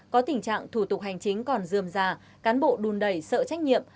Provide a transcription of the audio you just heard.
có tình trạng thủ tục hành chính còn dườm già cán bộ đùn đẩy sợ trách nhiệm